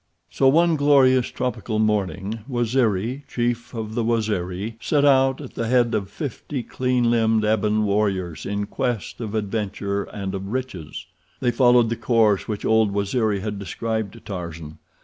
So one glorious tropical morning Waziri, chief of the Waziri, set out at the head of fifty clean limbed ebon warriors in quest of adventure and of riches. They followed the course which old Waziri had described to Tarzan.